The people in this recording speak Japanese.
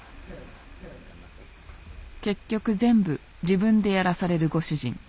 結局全部自分でやらされるご主人。